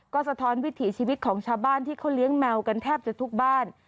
ก็สะท้อนวิถีชีวิตของชาวบ้านที่เขาเลี้ยงแมวกันแทบจะทุกบ้าน